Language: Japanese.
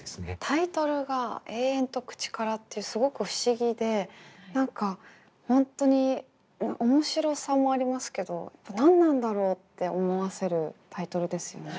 タイトルが「えーえんとくちから」ってすごく不思議で何か本当に面白さもありますけど何なんだろうって思わせるタイトルですよね。